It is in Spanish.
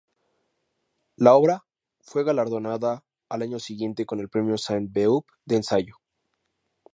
La obra fue galardonada al año siguiente con el Premio Saint-Beuve de ensayo.